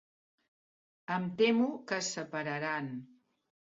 Em temo que es separaran.